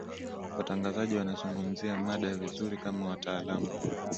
watangazaji wanazungumzia mada vizuri kama wataalamu